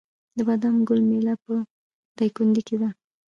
د بادام ګل میله په دایکنډي کې ده.